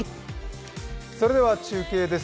それでは中継です。